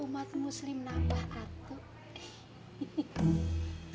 umat muslim nabah ratu